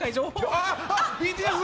ああっＢＴＳ！